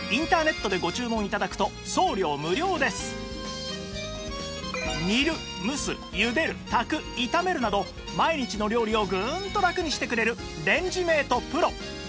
さらに煮る蒸す茹でる炊く炒めるなど毎日の料理をグンとラクにしてくれるレンジメート ＰＲＯ